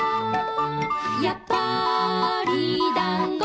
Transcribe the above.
「やっぱりだんご」